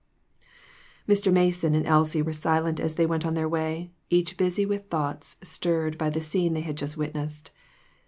Mr. Mason and Elsie were silent as they went on their way, each busy with thoughts stirred by the scene they had just witnessed.